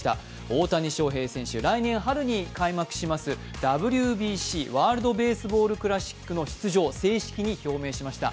大谷翔平選手、来年春に開幕しますＷＢＣ＝ワールドベースボールクラシックの出場を正式に表明しました。